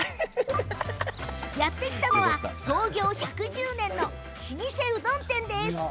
やって来たのは、創業１１０年老舗のうどん店。